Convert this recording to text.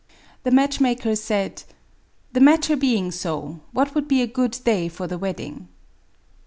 The match maker said :—" The matter being so, what would be a good day for the wedding